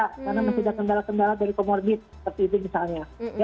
karena masih ada kendala kendala dari komorbid seperti itu misalnya